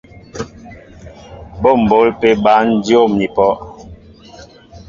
Bɔ́ m̀bǒl pé bǎn dyǒm ni pɔ́.